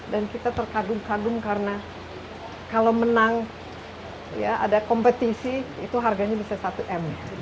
dan kita terkagum kagum karena kalau menang ya ada kompetisi itu harganya bisa satu m